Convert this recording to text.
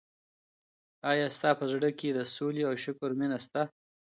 ایا ستا په زړه کي د سولي او شکر مینه سته؟